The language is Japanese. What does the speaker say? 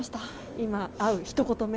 今、会うひとこと目